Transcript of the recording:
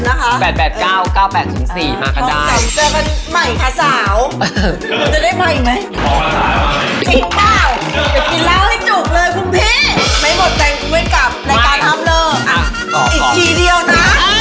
จริงเปล่าล้างเครียดล้างให้จุบเลยคุณพี่ไม่หมดแต่งก็ไม่กรับอีกทีเดียวนะ